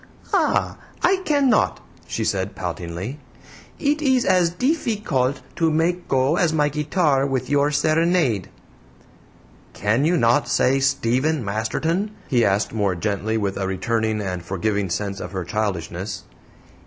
"Ah, I cannot!" she said, poutingly. "It is as deefeecult to make go as my guitar with your serenade." "Can you not say 'Stephen Masterton'?" he asked, more gently, with a returning and forgiving sense of her childishness.